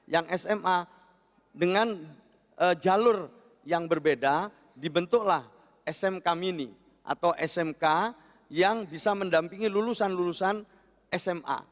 yang sma dengan jalur yang berbeda dibentuklah smk mini atau smk yang bisa mendampingi lulusan lulusan sma